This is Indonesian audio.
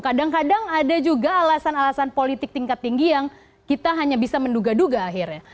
kadang kadang ada juga alasan alasan politik tingkat tinggi yang kita hanya bisa menduga duga akhirnya